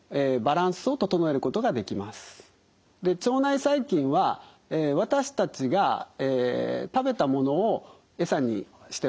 で腸内細菌は私たちが食べたものをエサにしております。